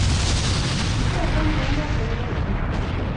Kitebe kounoto eng kasarta